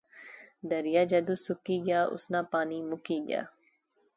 دریا جدوں سکی گیا، اس ناں پانی مکی گیا